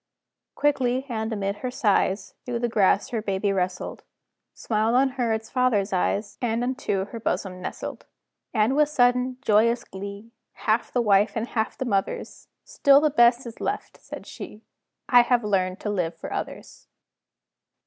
Quickly, and amid her sighs, Through the grass her baby wrestled, Smiled on her its father's eyes, And unto her bosom nestled. And with sudden, joyous glee, Half the wife's and half the mother's, "Still the best is left," said she: "I have learned to live for others."